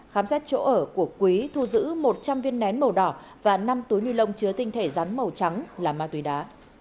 khám xét chỗ ở của quý thu giữ một trăm linh viên nén màu đỏ và năm túi ni lông chứa tinh thể rắn màu trắng là ma túy đá